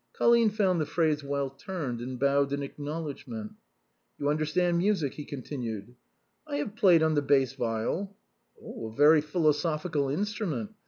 Colline found the phrase well turned, and bowed in acknowledgment. " You understand music ?" he continued. " I have played on the bass viol." " A very philosophical instrument.